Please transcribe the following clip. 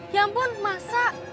ya ampun masa